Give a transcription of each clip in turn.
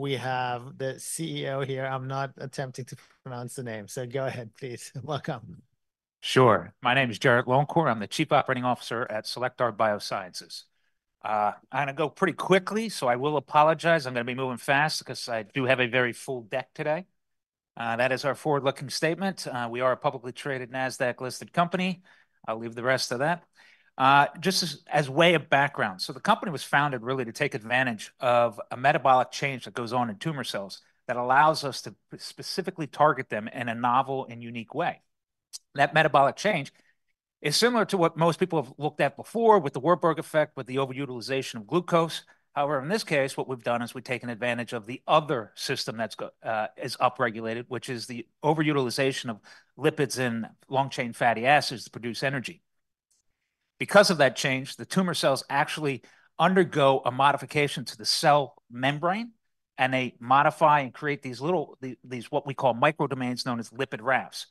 We have the CEO here. I'm not attempting to pronounce the name, so go ahead, please. Welcome. Sure. My name's Jarrod Longcor. I'm the Chief Operating Officer at Cellectar Biosciences. I'm going to go pretty quickly, so I will apologize. I'm going to be moving fast because I do have a very full deck today. That is our forward-looking statement. We are a publicly traded NASDAQ-listed company. I'll leave the rest of that. Just as a way of background, so the company was founded really to take advantage of a metabolic change that goes on in tumor cells that allows us to specifically target them in a novel and unique way. That metabolic change is similar to what most people have looked at before with the Warburg effect, with the overutilization of glucose. However, in this case, what we've done is we've taken advantage of the other system that's going, is upregulated, which is the overutilization of lipids and long-chain fatty acids to produce energy. Because of that change, the tumor cells actually undergo a modification to the cell membrane and they modify and create these little, these, what we call microdomains known as lipid rafts.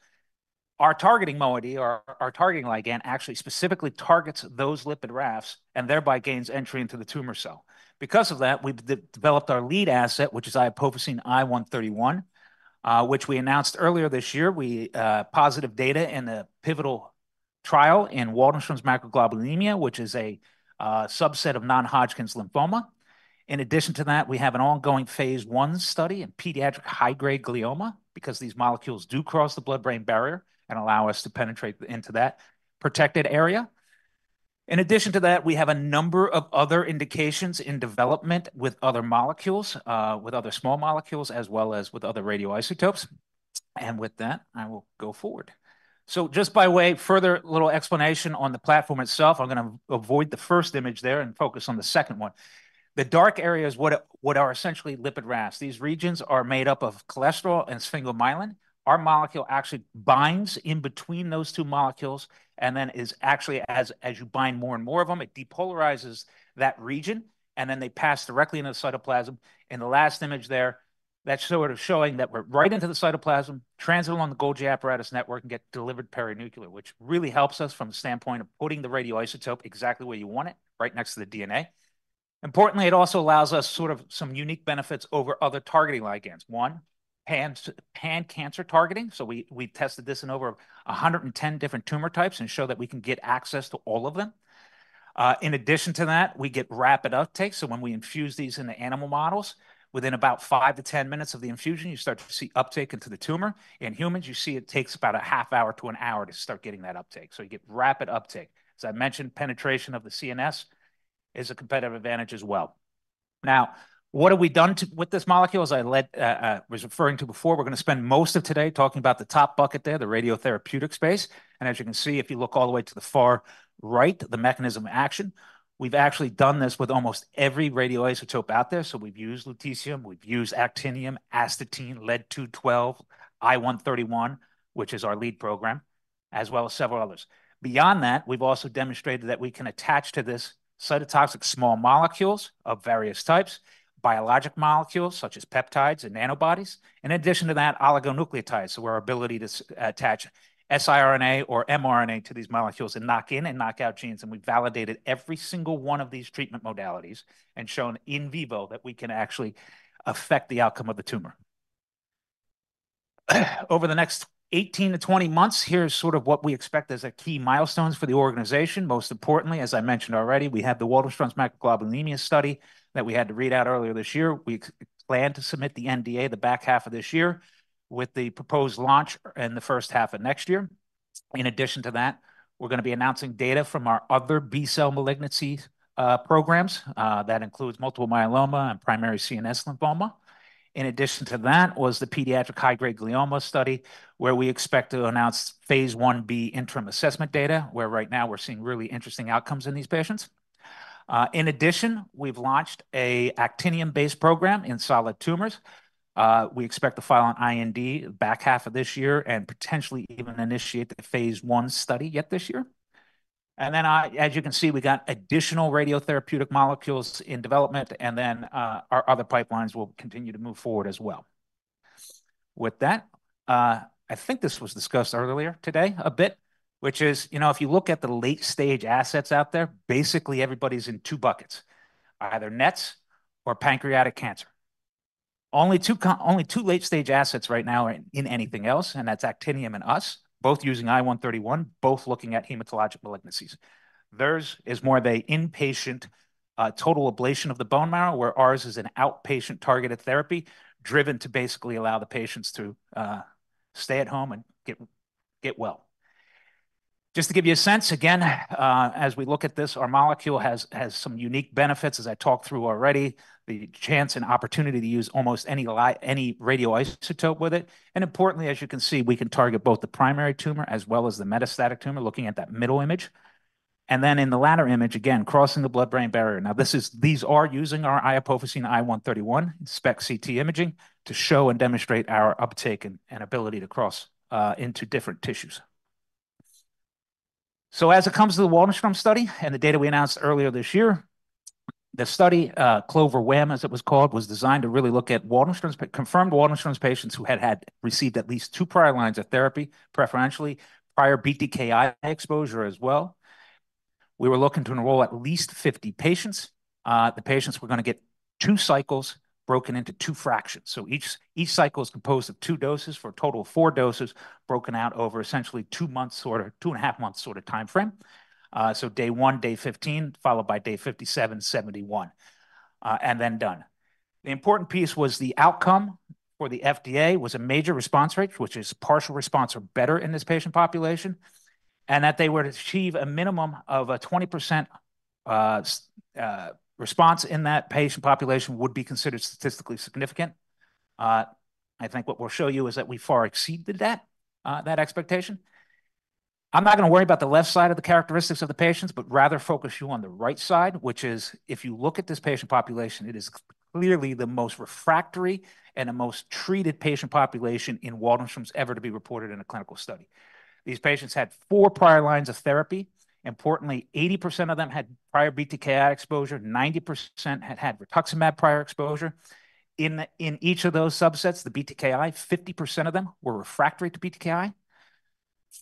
Our targeting moiety, our, our targeting ligand, actually specifically targets those lipid rafts and thereby gains entry into the tumor cell. Because of that, we've developed our lead asset, which is iopofosine I-131, which we announced earlier this year. We, positive data in a pivotal trial in Waldenstrom's macroglobulinemia, which is a, subset of non-Hodgkin's lymphoma. In addition to that, we have an ongoing phase I study in pediatric high-grade glioma because these molecules do cross the blood-brain barrier and allow us to penetrate into that protected area. In addition to that, we have a number of other indications in development with other molecules, with other small molecules, as well as with other radioisotopes. With that, I will go forward. Just by way, further little explanation on the platform itself. I'm going to avoid the first image there and focus on the second one. The dark area is what are essentially lipid rafts. These regions are made up of cholesterol and sphingomyelin. Our molecule actually binds in between those two molecules and then is actually, as you bind more and more of them, it depolarizes that region and then they pass directly into the cytoplasm. In the last image there, that's sort of showing that we're right into the cytoplasm, transit along the Golgi apparatus network, and get delivered perinuclear, which really helps us from the standpoint of putting the radioisotope exactly where you want it, right next to the DNA. Importantly, it also allows us sort of some unique benefits over other targeting ligands. One, pan cancer targeting. So we tested this in over 110 different tumor types and show that we can get access to all of them. In addition to that, we get rapid uptake. So when we infuse these in the animal models, within about 5-10 minutes of the infusion, you start to see uptake into the tumor. In humans, you see it takes about a half hour to an hour to start getting that uptake. So you get rapid uptake. As I mentioned, penetration of the CNS is a competitive advantage as well. Now, what have we done with this molecule? As I led, was referring to before, we're going to spend most of today talking about the top bucket there, the radiotherapeutic space. As you can see, if you look all the way to the far right, the mechanism of action, we've actually done this with almost every radioisotope out there. So we've used lutetium, we've used actinium, astatine, lead-212, I-131, which is our lead program, as well as several others. Beyond that, we've also demonstrated that we can attach to this cytotoxic small molecules of various types, biologic molecules such as peptides and antibodies, in addition to that, oligonucleotides, so our ability to attach siRNA or mRNA to these molecules and knock in and knock out genes. And we've validated every single one of these treatment modalities and shown in vivo that we can actually affect the outcome of the tumor. Over the next 18-20 months, here's sort of what we expect as key milestones for the organization. Most importantly, as I mentioned already, we had the Waldenstrom's macroglobulinemia study that we had to read out earlier this year. We plan to submit the NDA the back half of this year with the proposed launch and the first half of next year. In addition to that, we're going to be announcing data from our other B-cell malignancy programs that includes multiple myeloma and primary CNS lymphoma. In addition to that was the pediatric high-grade glioma study where we expect to announce phase 1B interim assessment data where right now we're seeing really interesting outcomes in these patients. In addition, we've launched an actinium-based program in solid tumors. We expect to file an IND back half of this year and potentially even initiate the phase 1 study yet this year. And then, as you can see, we got additional radiotherapeutic molecules in development and then, our other pipelines will continue to move forward as well. With that, I think this was discussed earlier today a bit, which is, you know, if you look at the late-stage assets out there, basically everybody's in two buckets, either NETs or pancreatic cancer. Only two, only two late-stage assets right now are in anything else, and that's Actinium and us, both using I-131, both looking at hematologic malignancies. Theirs is more of an inpatient, total ablation of the bone marrow where ours is an outpatient targeted therapy driven to basically allow the patients to stay at home and get well. Just to give you a sense, again, as we look at this, our molecule has some unique benefits, as I talked through already, the chance and opportunity to use almost any type, any radioisotope with it. And importantly, as you can see, we can target both the primary tumor as well as the metastatic tumor, looking at that middle image. And then in the latter image, again, crossing the blood-brain barrier. Now this is using our iopofosine I 131 SPECT/CT imaging to show and demonstrate our uptake and ability to cross into different tissues. So as it comes to the Waldenstrom's study and the data we announced earlier this year, the study, CLOVER WaM as it was called, was designed to really look at Waldenstrom's, but confirmed Waldenstrom's patients who had received at least two prior lines of therapy, preferentially prior BTKi exposure as well. We were looking to enroll at least 50 patients. The patients were going to get 2 cycles broken into 2 fractions. So each, each cycle is composed of 2 doses for a total of 4 doses broken out over essentially 2 months sort of, 2.5 months sort of timeframe. So day 1, day 15, followed by day 57, day 71, and then done. The important piece was the outcome for the FDA was a major response rate, which is partial response or better in this patient population. And that they were to achieve a minimum of a 20% response in that patient population would be considered statistically significant. I think what we'll show you is that we far exceeded that, that expectation. I'm not going to worry about the left side of the characteristics of the patients, but rather focus you on the right side, which is if you look at this patient population, it is clearly the most refractory and the most treated patient population in Waldenstrom's ever to be reported in a clinical study. These patients had four prior lines of therapy. Importantly, 80% of them had prior BTKi exposure, 90% had had rituximab prior exposure. In each of those subsets, the BTKi, 50% of them were refractory to BTKi,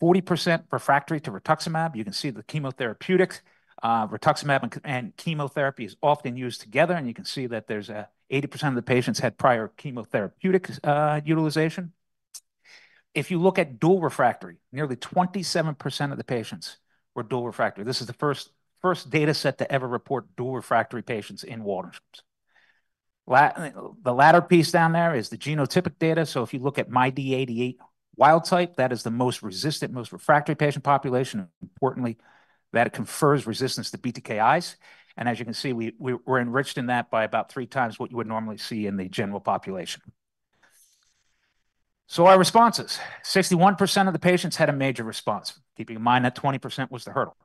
40% refractory to rituximab. You can see the chemotherapeutics, rituximab and chemotherapy is often used together, and you can see that there's a 80% of the patients had prior chemotherapeutic, utilization. If you look at dual refractory, nearly 27% of the patients were dual refractory. This is the first, first dataset to ever report dual refractory patients in Waldenstrom's. The latter piece down there is the genotypic data. So if you look at MYD88 wild type, that is the most resistant, most refractory patient population. Importantly, that confers resistance to BTKis. And as you can see, we're enriched in that by about three times what you would normally see in the general population. So our responses, 61% of the patients had a major response, keeping in mind that 20% was the hurdle.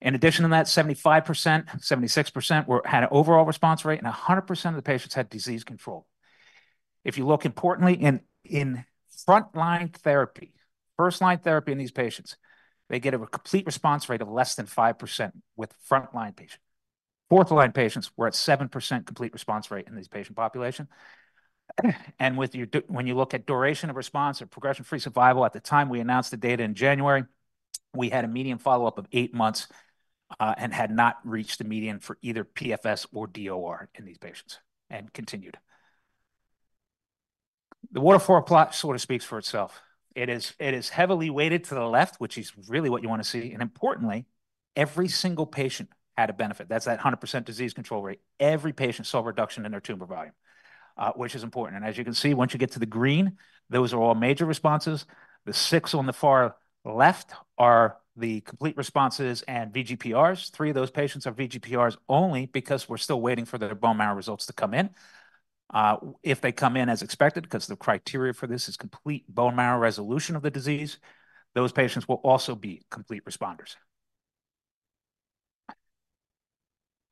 In addition to that, 75%, 76% had an overall response rate, and 100% of the patients had disease control. If you look importantly in frontline therapy, first line therapy in these patients, they get a complete response rate of less than 5% with frontline patients. Fourth line patients were at 7% complete response rate in this patient population. And with that, when you look at duration of response or progression-free survival at the time we announced the data in January, we had a median follow-up of eight months, and had not reached the median for either PFS or DOR in these patients and continued. The waterfall plot sort of speaks for itself. It is, it is heavily weighted to the left, which is really what you want to see. And importantly, every single patient had a benefit. That's that 100% disease control rate. Every patient saw reduction in their tumor volume, which is important. And as you can see, once you get to the green, those are all major responses. The six on the far left are the complete responses and VGPRs. Three of those patients are VGPRs only because we're still waiting for their bone marrow results to come in. If they come in as expected, because the criteria for this is complete bone marrow resolution of the disease, those patients will also be complete responders.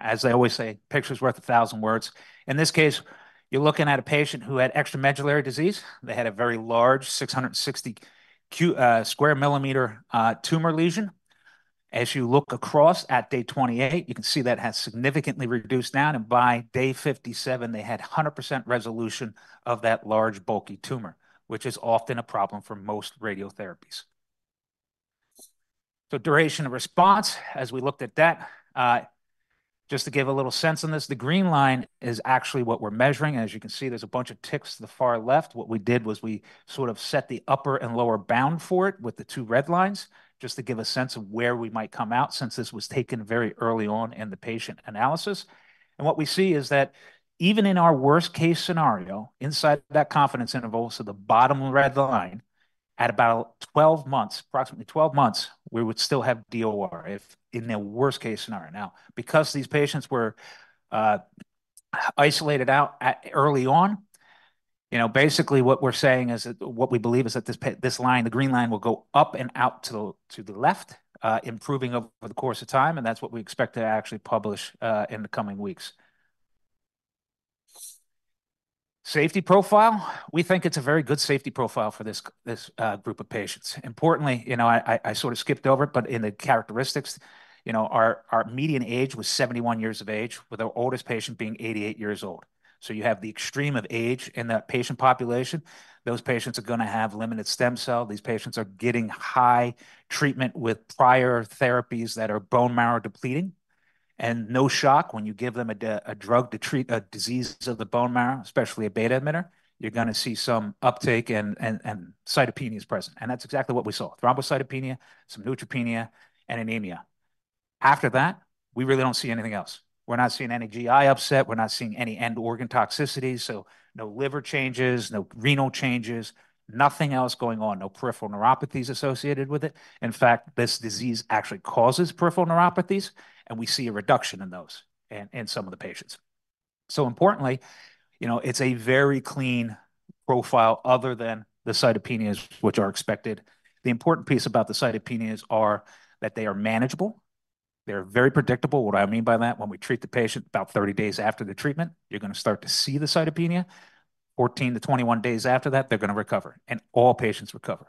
As they always say, picture's worth 1,000 words. In this case, you're looking at a patient who had extramedullary disease. They had a very large 660 square millimeter tumor lesion. As you look across at day 28, you can see that has significantly reduced down. And by day 57, they had 100% resolution of that large bulky tumor, which is often a problem for most radiotherapies. So duration of response, as we looked at that, just to give a little sense on this, the green line is actually what we're measuring. And as you can see, there's a bunch of ticks to the far left. What we did was we sort of set the upper and lower bound for it with the two red lines, just to give a sense of where we might come out since this was taken very early on in the patient analysis. What we see is that even in our worst case scenario, inside of that confidence interval, so the bottom red line, at about 12 months, approximately 12 months, we would still have DOR if in their worst case scenario. Now, because these patients were isolated out early on, you know, basically what we're saying is that what we believe is that this line, the green line, will go up and out to the left, improving over the course of time. That's what we expect to actually publish in the coming weeks. Safety profile, we think it's a very good safety profile for this group of patients. Importantly, you know, I sort of skipped over it, but in the characteristics, you know, our median age was 71 years of age, with our oldest patient being 88 years old. So you have the extreme of age in that patient population. Those patients are going to have limited stem cell. These patients are getting high treatment with prior therapies that are bone marrow depleting. And no shock when you give them a drug to treat a disease of the bone marrow, especially a beta emitter, you're going to see some uptake and cytopenia is present. And that's exactly what we saw: thrombocytopenia, some neutropenia, and anemia. After that, we really don't see anything else. We're not seeing any GI upset. We're not seeing any end organ toxicities. So no liver changes, no renal changes, nothing else going on, no peripheral neuropathies associated with it. In fact, this disease actually causes peripheral neuropathies, and we see a reduction in those in some of the patients. So importantly, you know, it's a very clean profile other than the cytopenias, which are expected. The important piece about the cytopenias is that they are manageable. They're very predictable. What do I mean by that? When we treat the patient about 30 days after the treatment, you're going to start to see the cytopenia. 14-21 days after that, they're going to recover, and all patients recover.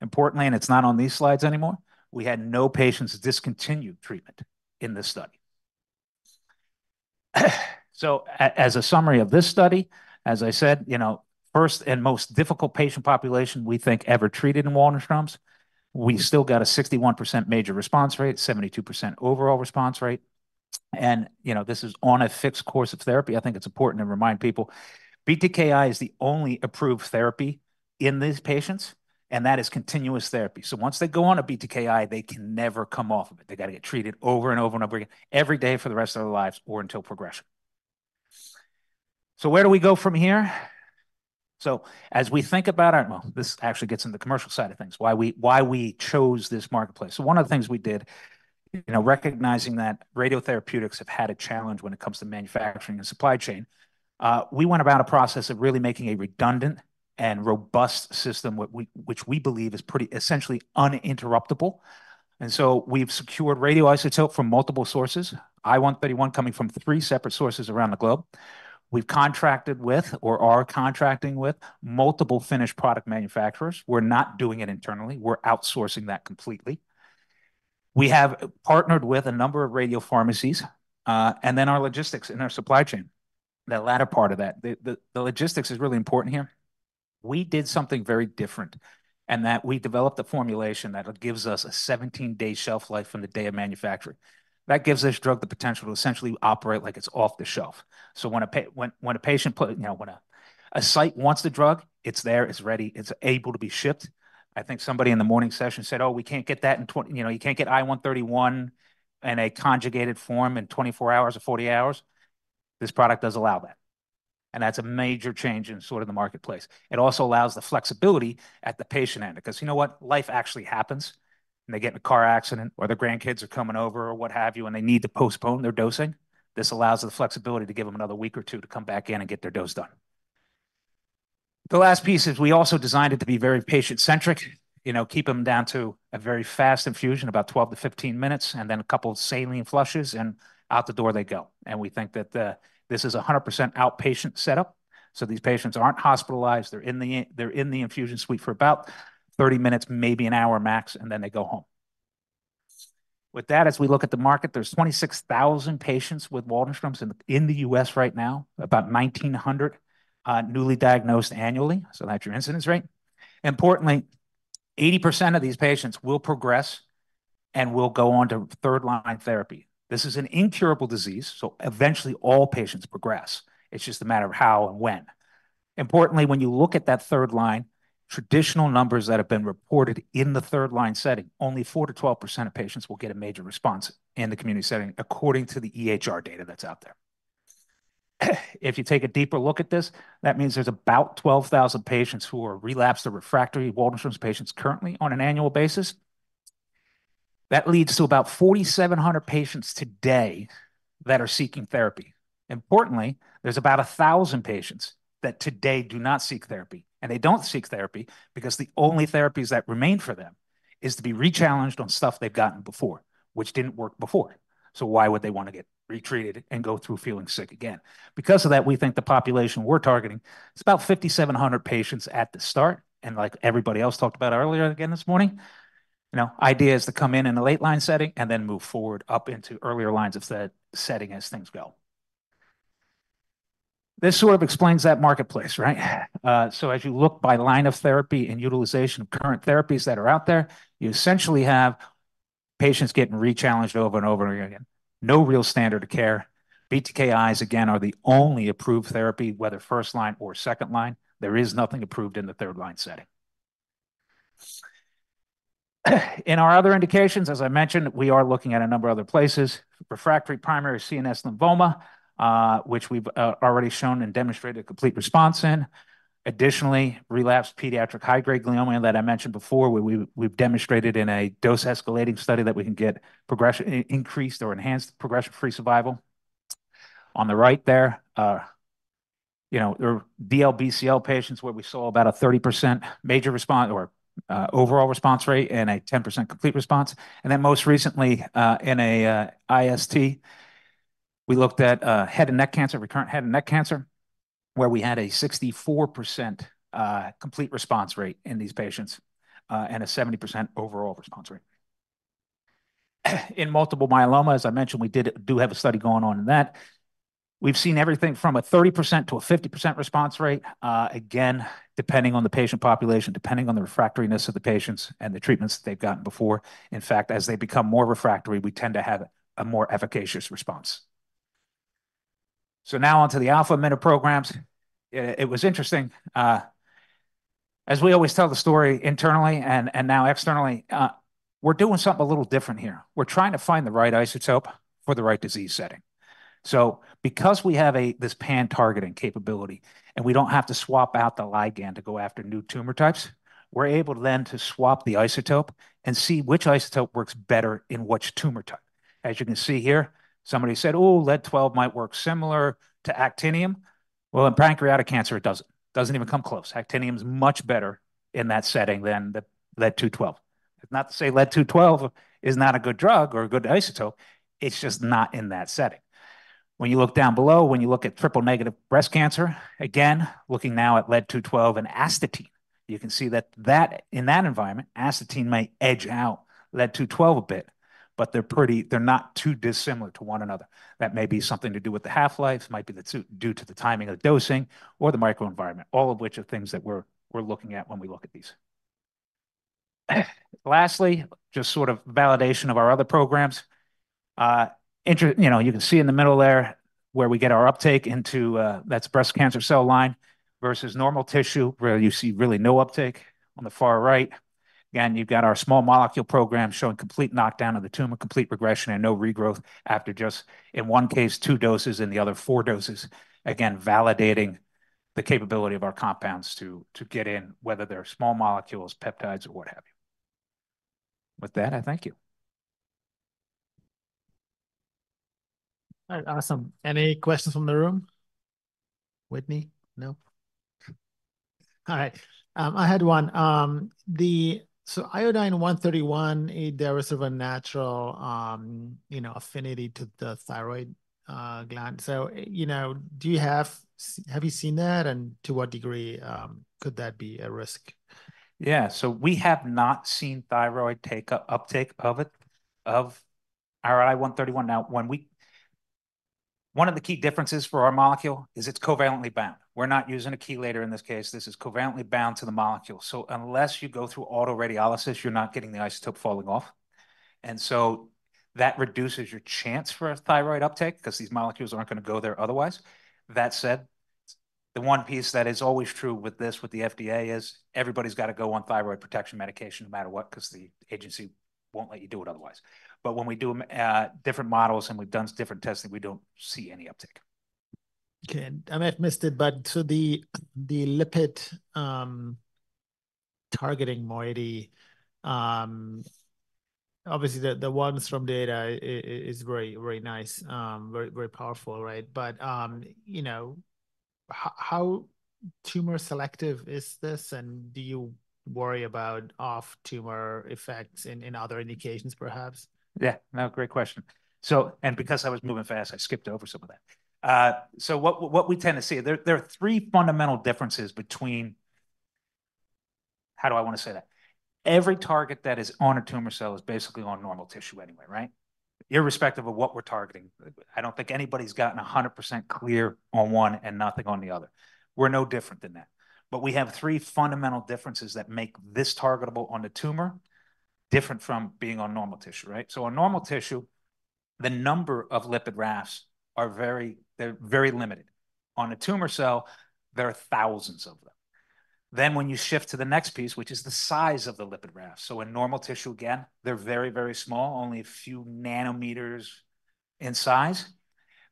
Importantly, and it's not on these slides anymore, we had no patients discontinue treatment in this study. So as a summary of this study, as I said, you know, first and most difficult patient population we think ever treated in Waldenstrom's. We still got a 61% major response rate, 72% overall response rate. And, you know, this is on a fixed course of therapy. I think it's important to remind people, BTKi is the only approved therapy in these patients, and that is continuous therapy. So once they go on a BTKi, they can never come off of it. They got to get treated over and over and over again, every day for the rest of their lives or until progression. So where do we go from here? So as we think about our, well, this actually gets into the commercial side of things, why we, why we chose this marketplace. So one of the things we did, you know, recognizing that radiotherapeutics have had a challenge when it comes to manufacturing and supply chain, we went about a process of really making a redundant and robust system, which we believe is pretty essentially uninterruptible. And so we've secured radioisotope from multiple sources. I-131 coming from three separate sources around the globe. We've contracted with, or are contracting with, multiple finished product manufacturers. We're not doing it internally. We're outsourcing that completely. We have partnered with a number of radio pharmacies, and then our logistics and our supply chain. That latter part of that, the logistics is really important here. We did something very different and that we developed a formulation that gives us a 17-day shelf life from the day of manufacturing. That gives this drug the potential to essentially operate like it's off the shelf. So when a patient, you know, when a site wants the drug, it's there, it's ready, it's able to be shipped. I think somebody in the morning session said, "Oh, we can't get that in 20, you know, you can't get I-131 in a conjugated form in 24 hours or 40 hours." This product does allow that. And that's a major change in sort of the marketplace. It also allows the flexibility at the patient end because you know what, life actually happens. And they get in a car accident or their grandkids are coming over or what have you, and they need to postpone their dosing. This allows the flexibility to give them another week or two to come back in and get their dose done. The last piece is we also designed it to be very patient-centric, you know, keep them down to a very fast infusion, about 12-15 minutes, and then a couple of saline flushes and out the door they go. We think that this is a 100% outpatient setup. So these patients aren't hospitalized. They're in the, they're in the infusion suite for about 30 minutes, maybe an hour max, and then they go home. With that, as we look at the market, there's 26,000 patients with Waldenstrom's in the, in the U.S. right now, about 1,900 newly diagnosed annually. So that's your incidence rate. Importantly, 80% of these patients will progress and will go on to third line therapy. This is an incurable disease. So eventually all patients progress. It's just a matter of how and when. Importantly, when you look at that third line, traditional numbers that have been reported in the third line setting, only 4%-12% of patients will get a major response in the community setting, according to the EHR data that's out there. If you take a deeper look at this, that means there's about 12,000 patients who are relapsed or refractory Waldenstrom's patients currently on an annual basis. That leads to about 4,700 patients today that are seeking therapy. Importantly, there's about 1,000 patients that today do not seek therapy. They don't seek therapy because the only therapies that remain for them is to be rechallenged on stuff they've gotten before, which didn't work before. Why would they want to get retreated and go through feeling sick again? Because of that, we think the population we're targeting, it's about 5,700 patients at the start. Like everybody else talked about earlier again this morning, you know, indications to come in in the late line setting and then move forward up into earlier lines of that setting as things go. This sort of explains that marketplace, right? So as you look by line of therapy and utilization of current therapies that are out there, you essentially have patients getting rechallenged over and over and over again. No real standard of care. BTKIs, again, are the only approved therapy, whether first line or second line. There is nothing approved in the third line setting. In our other indications, as I mentioned, we are looking at a number of other places, refractory Primary CNS lymphoma, which we've already shown and demonstrated a Complete Response in. Additionally, relapsed pediatric high-grade glioma that I mentioned before, where we've demonstrated in a dose escalating study that we can get progression, increased or enhanced progression-free survival. On the right there, you know, there are DLBCL patients where we saw about a 30% major response or overall response rate and a 10% complete response. And then most recently, in an IST, we looked at head and neck cancer, recurrent head and neck cancer, where we had a 64% complete response rate in these patients, and a 70% overall response rate. In multiple myeloma, as I mentioned, we do have a study going on in that. We've seen everything from a 30% to a 50% response rate, again, depending on the patient population, depending on the refractoriness of the patients and the treatments that they've gotten before. In fact, as they become more refractory, we tend to have a more efficacious response. So now onto the alpha emitter programs. It was interesting, as we always tell the story internally and now externally, we're doing something a little different here. We're trying to find the right isotope for the right disease setting. So because we have this pan-targeting capability and we don't have to swap out the ligand to go after new tumor types, we're able then to swap the isotope and see which isotope works better in which tumor type. As you can see here, somebody said, "Oh, Lead-212 might work similar to Actinium." Well, in pancreatic cancer, it doesn't. Doesn't even come close. Actinium is much better in that setting than the Lead-212. It's not to say Lead-212 is not a good drug or a good isotope. It's just not in that setting. When you look down below, when you look at triple-negative breast cancer, again, looking now at Lead-212 and Astatine, you can see that that in that environment, Astatine may edge out Lead-212 a bit, but they're pretty, they're not too dissimilar to one another. That may be something to do with the half-life, might be due to the timing of the dosing or the microenvironment, all of which are things that we're, we're looking at when we look at these. Lastly, just sort of validation of our other programs. Interesting, you know, you can see in the middle there where we get our uptake into, that's breast cancer cell line versus normal tissue where you see really no uptake on the far right. Again, you've got our small molecule program showing complete knockdown of the tumor, complete regression, and no regrowth after just, in one case, 2 doses and the other 4 doses. Again, validating the capability of our compounds to get in, whether they're small molecules, peptides, or what have you. With that, I thank you. All right. Awesome. Any questions from the room? Whitney? No? All right.I had one. So, Iodine-131, there is sort of a natural, you know, affinity to the thyroid gland. So, you know, do you have, have you seen that and to what degree could that be a risk? Yeah, so we have not seen thyroid uptake of it, of our Iodine-131. Now, when we, one of the key differences for our molecule is it's covalently bound. We're not using a chelator in this case. This is covalently bound to the molecule. So unless you go through autoradiolysis, you're not getting the isotope falling off. And so that reduces your chance for a thyroid uptake because these molecules aren't going to go there otherwise. That said, the one piece that is always true with this, with the FDA, is everybody's got to go on thyroid protection medication no matter what because the agency won't let you do it otherwise. But when we do different models and we've done different testing, we don't see any uptake. Okay. I may have missed it, but to the lipid targeting moiety, obviously the ones from data is very, very nice, very, very powerful, right? But you know, how tumor selective is this and do you worry about off-tumor effects in other indications perhaps? Yeah. No, great question. So and because I was moving fast, I skipped over some of that. So what we tend to see, there are three fundamental differences between, how do I want to say that? Every target that is on a tumor cell is basically on normal tissue anyway, right? Irrespective of what we're targeting, I don't think anybody's gotten 100% clear on one and nothing on the other. We're no different than that. But we have three fundamental differences that make this targetable on the tumor different from being on normal tissue, right? So on normal tissue, the number of lipid rafts are very, they're very limited. On a tumor cell, there are thousands of them. Then when you shift to the next piece, which is the size of the lipid raft. So in normal tissue, again, they're very, very small, only a few nanometers in size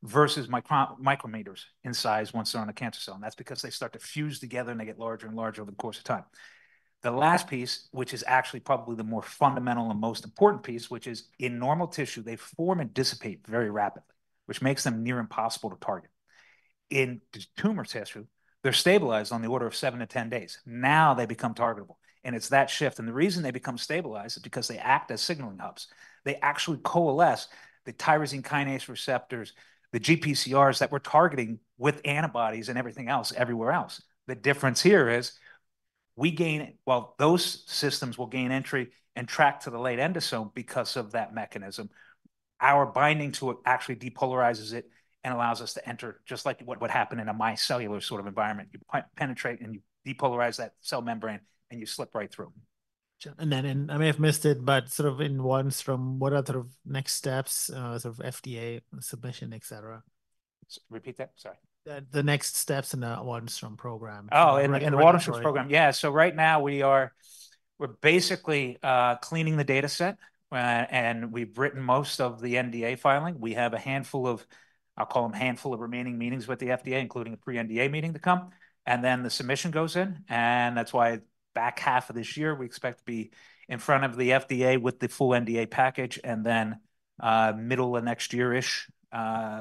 versus micrometers in size once they're on a cancer cell. And that's because they start to fuse together and they get larger and larger over the course of time. The last piece, which is actually probably the more fundamental and most important piece, which is in normal tissue, they form and dissipate very rapidly, which makes them near impossible to target. In tumor tissue, they're stabilized on the order of 7-10 days. Now they become targetable. And it's that shift. And the reason they become stabilized is because they act as signaling hubs. They actually coalesce the tyrosine kinase receptors, the GPCRs that we're targeting with antibodies and everything else everywhere else. The difference here is we gain, well, those systems will gain entry and track to the late endosome because of that mechanism. Our binding to it actually depolarizes it and allows us to enter just like what would happen in a micellar sort of environment. You penetrate and you depolarize that cell membrane and you slip right through. And then, and I may have missed it, but sort of in iopofosine, what are sort of next steps, sort of FDA submission, et cetera? Repeat that. Sorry. The next steps in the iopofosine program. Oh, in the Waldenstrom's program. Yeah. So right now we are, we're basically cleaning the data set, and we've written most of the NDA filing. We have a handful of, I'll call them handful of remaining meetings with the FDA, including a pre-NDA meeting to come. And then the submission goes in. And that's the back half of this year, we expect to be in front of the FDA with the full NDA package and then, middle of next year-ish,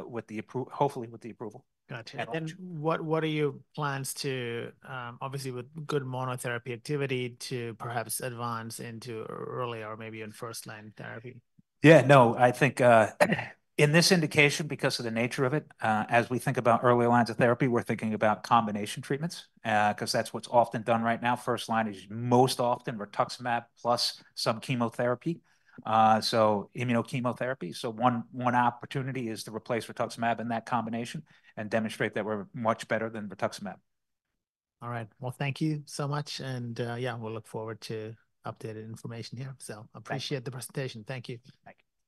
with the approval, hopefully with the approval. Gotcha. And then what? What are your plans to, obviously with good monotherapy activity, to perhaps advance into early or maybe in first line therapy? Yeah. No, I think, in this indication, because of the nature of it, as we think about early lines of therapy, we're thinking about combination treatments, because that's what's often done right now. First line is most often rituximab plus some chemotherapy, so immunochemotherapy. So one opportunity is to replace rituximab in that combination and demonstrate that we're much better than rituximab. All right. Well, thank you so much. And, yeah, we'll look forward to updated information here. So appreciate the presentation. Thank you. Thank you.